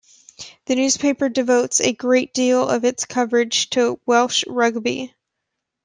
The newspaper devotes a great deal of its coverage to Welsh rugby.